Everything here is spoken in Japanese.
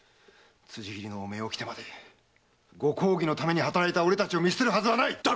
辻斬りの汚名を着てまでご公儀のために働いた俺たちを見捨てるはずはない！